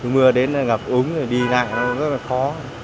mưa đến ngập úng rồi đi lại rất là khó